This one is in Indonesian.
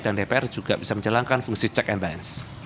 dan dpr juga bisa menjalankan fungsi check and balance